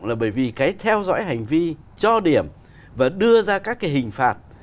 là bởi vì cái theo dõi hành vi cho điểm và đưa ra các cái hình phạt